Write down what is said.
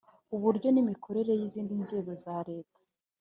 Uburyo n imikorere y izindi nzego zaleta